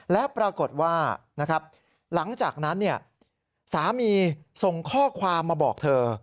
แล้วปรากฏว่านะครับหลังจากนั้นสามีส่งข้อความมาบอกเธอ